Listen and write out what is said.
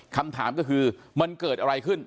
คำถามก็คือมันเกิดอะไรขึ้น